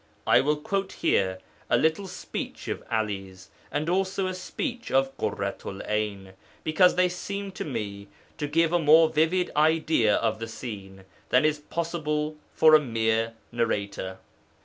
I will quote here a little speech of 'Ali's, and also a speech of Ḳurratu'l 'Ayn, because they seem to me to give a more vivid idea of the scene than is possible for a mere narrator.